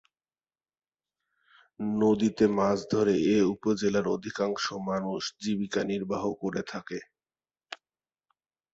নদীতে মাছ ধরে এ উপজেলার অধিকাংশ মানুষ জীবিকা নির্বাহ করে থাকে।